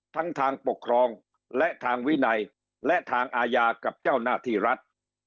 ทั้งทางปกครองและทางวินัยและทางอาญากับเจ้าหน้าที่รัฐ